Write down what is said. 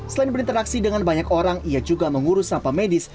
selain berinteraksi dengan banyak orang ia juga mengurus sampah medis